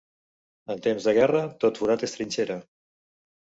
En temps de guerra, tot forat és trinxera.